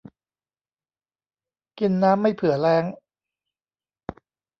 กินน้ำไม่เผื่อแล้ง